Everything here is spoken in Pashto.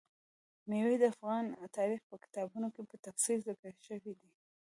مېوې د افغان تاریخ په کتابونو کې په تفصیل ذکر شوي دي.